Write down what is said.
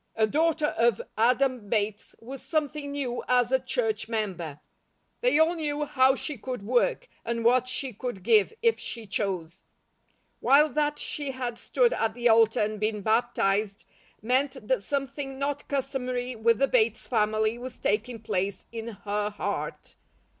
A daughter of Adam Bates was something new as a church member. They all knew how she could work, and what she could give if she chose; while that she had stood at the altar and been baptized, meant that something not customary with the Bates family was taking place in her heart.